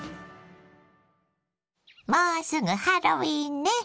もうすぐハロウィーンね。